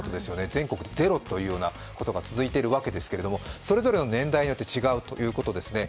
全国でゼロということが続いているわけですけも、それぞれの年代によって違うということです。